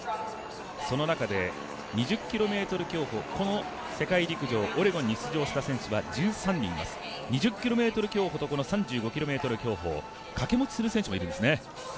その中で、２０ｋｍ競歩、この世界陸上オレゴンに出場した選手は１３人います２０ｋｍ競歩と、この３５ｋｍ競歩を掛け持ちする選手もいるんですね。